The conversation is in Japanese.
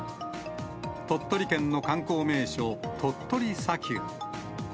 鳥取県の観光名所、鳥取砂丘。